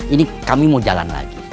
ini kami mau jalan lagi